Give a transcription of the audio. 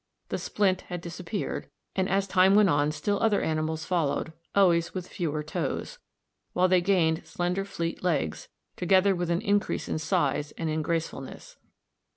The splint had disappeared, and as time went on still other animals followed, always with fewer toes, while they gained slender fleet legs, together with an increase in size and in gracefulness.